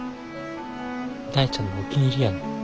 大ちゃんのお気に入りやねん。